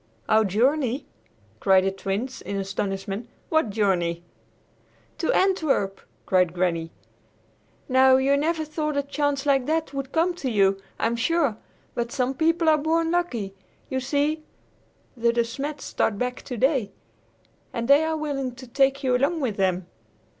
"Our journey!" cried the Twins in astonishment. "What journey?" "To Antwerp," cried Granny. "Now, you never thought a chance like that would come to you, I'm sure, but some people are born lucky! You see the De Smets start back today, and they are willing to take you along with them!"